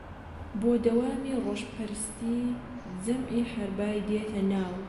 بۆ دەوامی ڕۆژپەرستی جەمعی حەربای دێتە ناو